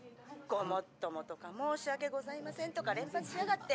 ☎「ごもっとも」とか「申し訳ございません」とか連発しやがって！